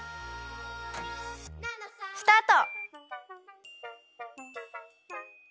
スタート！